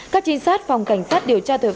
các trinh sát phòng cảnh sát điều tra tội phạm